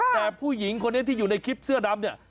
แต่ผู้หญิงคนนี้ที่อยู่ในคลิปเสื้อดำเนี่ย